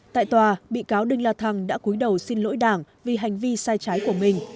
tại tòa bị cáo đinh la thăng đã cuối đầu xin lỗi đảng vì hành vi sai trái của mình